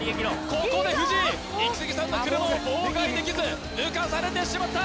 ここで藤井イキスギさんの車を妨害できず抜かされてしまった！